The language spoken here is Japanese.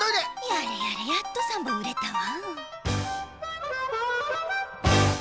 やれやれやっと３ぼんうれたわ。